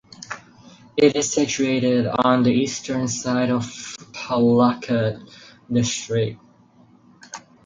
It is situated on the eastern side of Palakkad district.